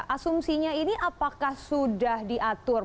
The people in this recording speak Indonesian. asumsinya ini apakah sudah diatur